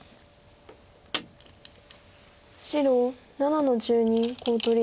白７の十二コウ取り。